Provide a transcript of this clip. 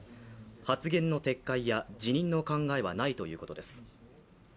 発言の撤回や辞任の考えはないということです。